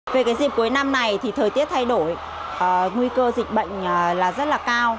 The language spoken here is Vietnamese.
về dịp cuối năm này thì thời tiết thay đổi nguy cơ dịch bệnh rất là cao